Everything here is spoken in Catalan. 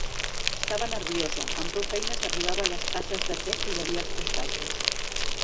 Estava nerviosa; amb prou feines arribava a les tasses de te que hi havia als prestatges.